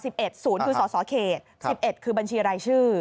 ศูนย์คือสสเขต๑๑คือบัญชีรายชื่อ